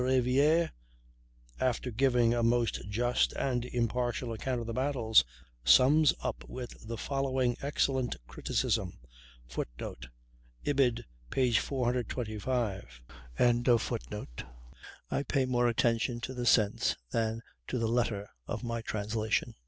Riviere, after giving a most just and impartial account of the battles, sums up with the following excellent criticism. [Footnote: Ibid., p. 425. I pay more attention to the sense than to the letter in my translation.